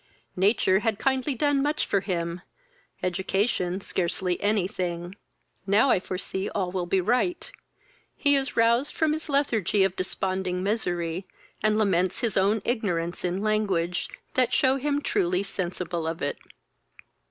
Nature had kindly done much for him, education scarcely any thing. Now I foresee all will be right; he is roused from his lethargy of desponding misery, and laments his own ignorance in language, that shew him truly sensible of it.